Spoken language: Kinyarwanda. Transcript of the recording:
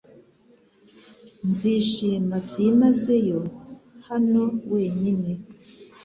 Nzishima byimazeyo hano wenyine .